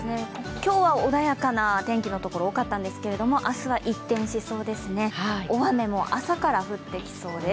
今日は穏やかな天気の所が多かったんですが明日は一転しそうですね、大雨も朝から降ってきそうです。